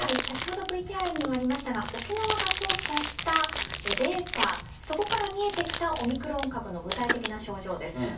先ほどＶＴＲにありましたが沖縄が調査したデータそこから見えてきたオミクロン株の具体的な症状です。